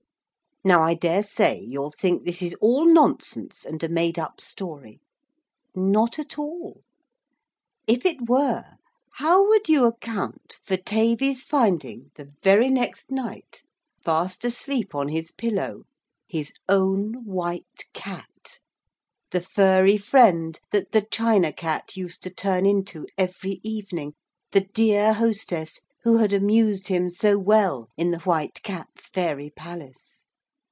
Now I dare say you'll think this is all nonsense, and a made up story. Not at all. If it were, how would you account for Tavy's finding, the very next night, fast asleep on his pillow, his own white Cat the furry friend that the China Cat used to turn into every evening the dear hostess who had amused him so well in the White Cat's fairy Palace?